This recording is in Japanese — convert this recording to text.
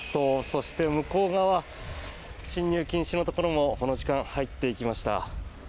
そして、向こう側進入禁止のところもこの時間、入っていきました。